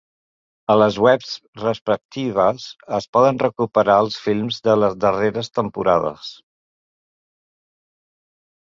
A les webs respectives es poden recuperar els films de les darreres temporades.